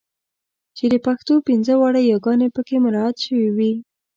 چې د پښتو پنځه واړه یګانې پکې مراعات شوې وي.